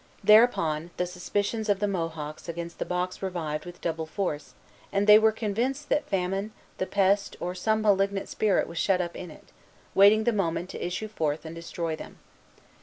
Thereupon, the suspicions of the Mohawks against the box revived with double force, and they were convinced that famine, the pest, or some malignant spirit was shut up in it, waiting the moment to issue forth and destroy them.